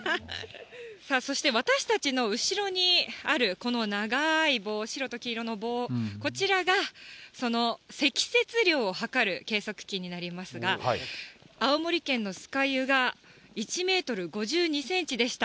さあ、そして私たちの後ろにあるこの長い棒、白と黄色の棒、こちらがその積雪量をはかる計測器になりますが、青森県の酸ヶ湯が１メートル５２センチでした。